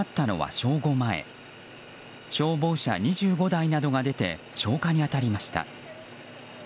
消防車２５台などが出て消火に当たりました。